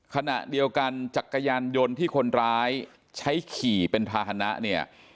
ขณะเดียวกันจักรยานยนต์ที่คนร้ายใช้ขี่เป็นภาษณะเนี่ย